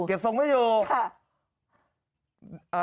เก็บทรงไม่อยู่ค่ะใช่